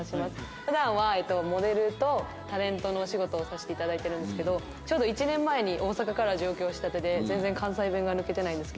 普段はモデルとタレントのお仕事をさせて頂いてるんですけどちょうど１年前に大阪から上京したてで全然関西弁が抜けてないんですけど。